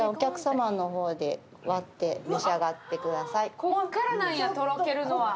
ここからなんや、とろけるのは。